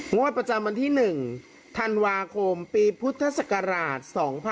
งวดประจำวันที่๑ธันวาคมปีพุทธศักราช๒๕๖๒